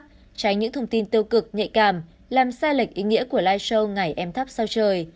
tránh những thông tin tiêu cực nhạy cảm làm sai lệch ý nghĩa của live show ngày em thắp sau trời